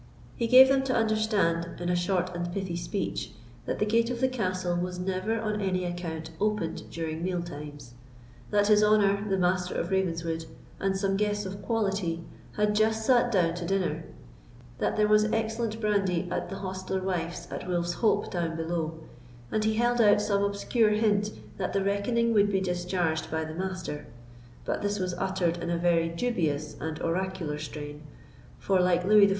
He gave them to understand, in a short and pity speech, that the gate of the castle was never on any account opened during meal times; that his honour, the Master of Ravenswood, and some guests of quality, had just sat down to dinner; that there was excellent brandy at the hostler wife's at Wolf's Hope down below; and he held out some obscure hint that the reckoning would be discharged by the Master; but this was uttered in a very dubious and oracular strain, for, like Louis XIV.